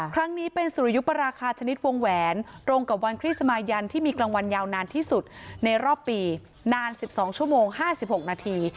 ครั้งนี้เป็นสุริยุปราคาชนิดวงแหวนตรงกับวันคริสมายันที่มีกลางวันยาวนานที่สุดในรอบปีนาน๑๒ชั่วโมง๕๖นาที